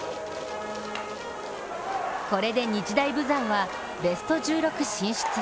これで日大豊山はベスト１６進出。